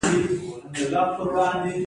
نوي نسل ته روښان فکران وروزل شول.